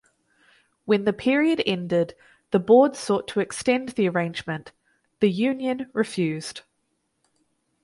When the period ended the board sought to extend the arrangement the union refused.